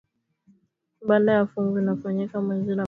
ibada ya funga inafanyika mwezi ramadani